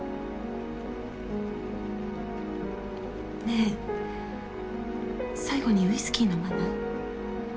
ねえ最後にウイスキー飲まない？